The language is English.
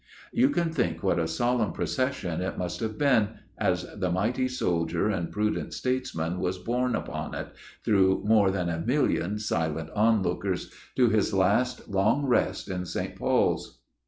You can think what a solemn procession it must have been, as the mighty soldier and prudent statesman was borne upon it, through more than a million silent onlookers, to his last long rest in St. Paul's.